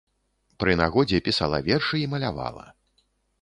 Пры нагодзе пісала вершы і малявала.